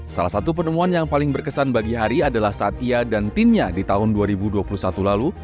salah satu penemuan yang paling berkesan bagi hari adalah saat ia dan timnya di tahun dua ribu dua puluh satu lalu